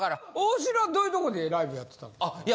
大城はどういうとこでライブやってたの？